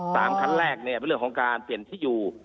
ขั้นแรกเนี่ยเป็นเรื่องของการเปลี่ยนที่อยู่